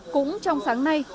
cũng trong sáng nay